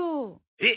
えっ？